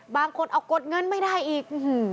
บางคนเอากดเงินไม่ได้อีก